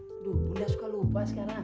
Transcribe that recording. waduh bunda suka lupa sekarang